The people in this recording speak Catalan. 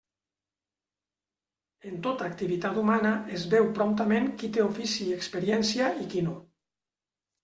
En tota activitat humana es veu promptament qui té ofici i experiència i qui no.